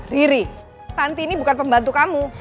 riri tanti ini bukan pembantu kamu